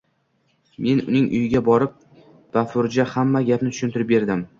Men uning uyiga borib, bafurja x`amma gapni tushuntirb berdim